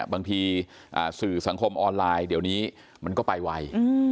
บางทีสื่อสังคมออนไลน์เดี๋ยวนี้มันก็ไปไว